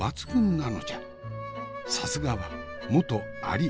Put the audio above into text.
さすがは元アリ。